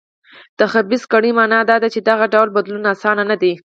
د خبیثه کړۍ معنا دا ده چې دغه ډول بدلون اسانه نه دی.